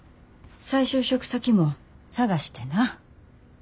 再就職先も探してな。